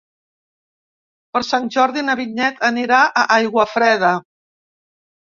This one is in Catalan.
Per Sant Jordi na Vinyet anirà a Aiguafreda.